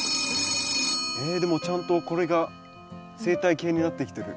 えでもちゃんとこれが生態系になってきてる。